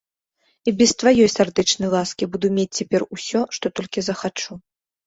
І без тваёй сардэчнай ласкі буду мець цяпер усё, што толькі захачу.